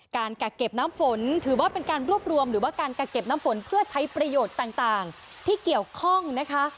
กักเก็บน้ำฝนถือว่าเป็นการรวบรวมหรือว่าการกักเก็บน้ำฝนเพื่อใช้ประโยชน์ต่างที่เกี่ยวข้องนะคะ